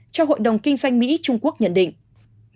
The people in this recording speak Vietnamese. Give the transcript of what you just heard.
cho hội đồng kinh doanh mỹ trung quốc nhận định